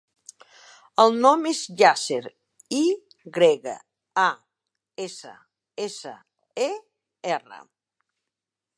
El nom és Yasser: i grega, a, essa, essa, e, erra.